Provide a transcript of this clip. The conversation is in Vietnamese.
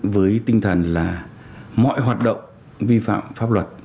với tinh thần là mọi hoạt động vi phạm pháp luật